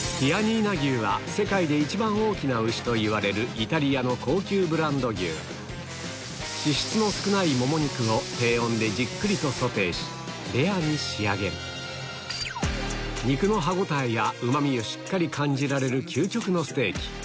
世界で一番大きな牛といわれる脂質の少ないもも肉を低温でじっくりとソテーしレアに仕上げる肉の歯応えやうまみをしっかり感じられる究極のステーキ